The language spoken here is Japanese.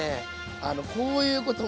あのこういうこともね